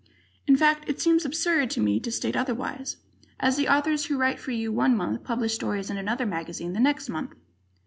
In fact, it seems absurd to me to state otherwise, as the authors who write for you one month publish stories in another magazine the next month.